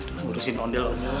udah urusin ondel ondelnya